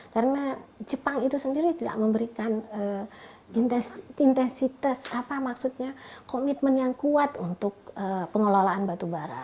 karena jepang itu sendiri tidak memberikan intensitas apa maksudnya komitmen yang kuat untuk pengelolaan batu bara